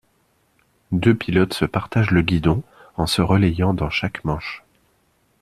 Deux pilotes se partagent le guidon en se relayant dans chaque manche.